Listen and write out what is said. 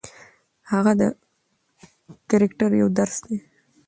د هغه کرکټر یو درس دی.